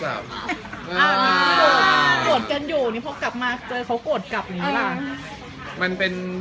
มันยังโคลน้อยอยู่อ่ะทำไมเนี่ย